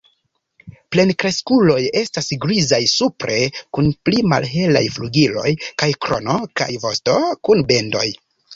Plenkreskuloj estas grizaj supre kun pli malhelaj flugiloj kaj krono, kaj vosto kun bendoj.